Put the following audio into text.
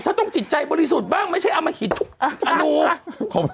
ถ้าต้องจิตใจบริสุทธิ์บ้างไม่ใช่อมหิตทุกอนุ